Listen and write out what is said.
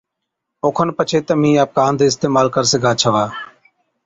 او کن پڇي تمهِين آپڪا هنڌ اِستعمال ڪر سِگھا ڇوا۔